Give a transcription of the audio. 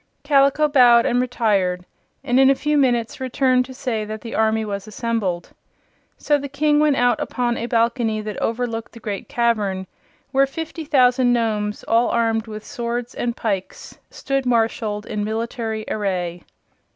Kaliko bowed and retired, and in a few minutes returned to say that the army was assembled. So the King went out upon a balcony that overlooked the Great Cavern, where fifty thousand Nomes, all armed with swords and pikes, stood marshaled in military array.